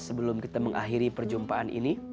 sebelum kita mengakhiri perjumpaan ini